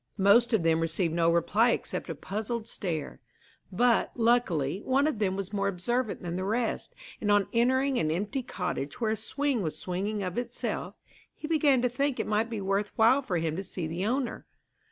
Most of them received no reply except a puzzled stare; but, luckily, one of them was more observant than the rest, and on entering an empty cottage where a swing was swinging of itself, he began to think it might be worth while for him to see the owner.